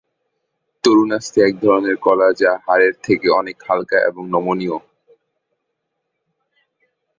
তরুণাস্থি এক ধরনের কলা যা হাড়ের থেকে অনেক হালকা এবং নমনীয়।